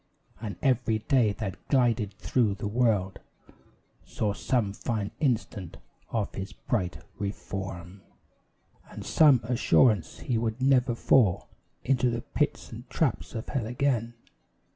And every day that glided through the world Saw some fine instance of his bright reform, And some assurance he would never fall Into the pits and traps of hell again.